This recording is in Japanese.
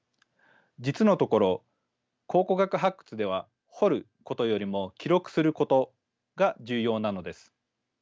実のところ考古学発掘では掘ることよりも記録することが重要なのです。